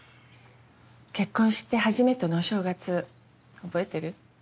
結婚して初めてのお正月覚えてる？